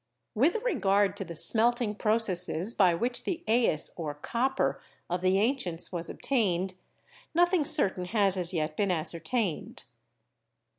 With regard to the smelting processes by which the 'aes/ or copper, of the ancients was obtained, nothing certain has as yet been ascertained.